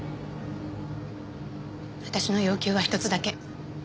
私の要求は一つだけ。